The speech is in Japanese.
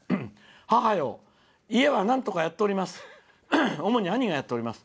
「母よ、家はなんとかやっております。